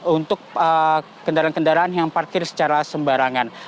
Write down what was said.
untuk kendaraan kendaraan yang parkir secara sembarangan